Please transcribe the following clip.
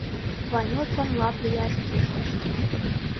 Ванюшлан лап лияш кӱштышт.